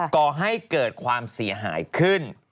ก่อให้เกิดความเสียหายขึ้น